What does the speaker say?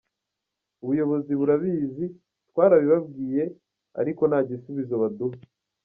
Ubuyobozi burabizi twarabibabwiye ariko nta gisubizo baduha.